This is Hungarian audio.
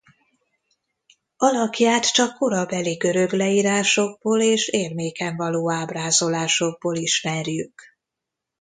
Alakját csak korabeli görög leírásokból és érméken való ábrázolásokból ismerjük.